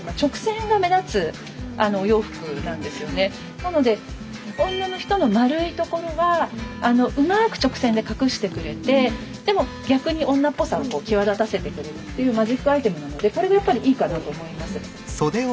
なので女の人の丸いところはうまく直線で隠してくれてでも逆に女っぽさを際立たせてくれるっていうマジックアイテムなのでこれがやっぱりいいかなと思います。